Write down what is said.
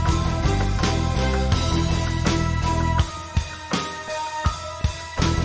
ก็ไม่น่าจะดังกึ่งนะ